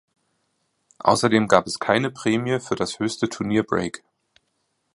Außerdem gab es keine Prämie für das höchste Turnierbreak.